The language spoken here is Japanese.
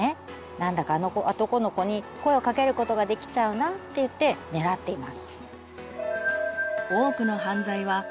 なんだかあの男の子に声をかけることができちゃうなっていって狙っています。